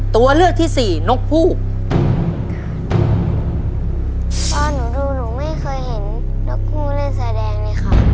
ตัวเลือกที่สี่นกฮูกตอนหนูดูหนูไม่เคยเห็นนกผู้เล่นแสดงเลยค่ะ